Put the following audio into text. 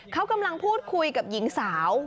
เขากำลังพูดคุยกับหญิงสาว